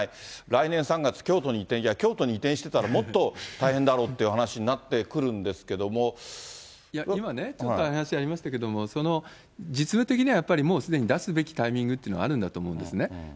来年３月、京都に移転してたらもっと大変だろうっていう話になってくるんで今ね、ちょっとお話ありましたけれども、実務的にはやっぱりもうすでに出すべきタイミングというのは、あるんだと思うんですね。